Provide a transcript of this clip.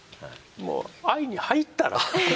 もうＩに入ったら？